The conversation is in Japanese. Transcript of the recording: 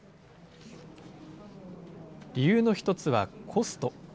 理由の１つは、コスト。